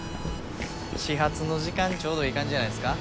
始発の時間ちょうどいい感じじゃないっすか？